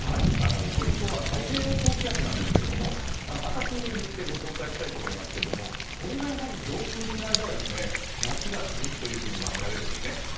ポイントは太平洋高気圧なんですが赤く塗ってご紹介したいと思いますがこれが上空にいる間は夏が続くとみられるんですね。